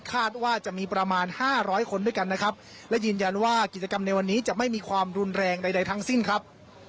คาดว่าจะมีประมาณห้าร้อยคนด้วยกันนะครับและยืนยันว่ากิจกรรมในวันนี้จะไม่มีความรุนแรงใดทั้งสิ้นครับ